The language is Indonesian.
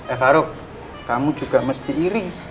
eh karo kamu juga mesti iri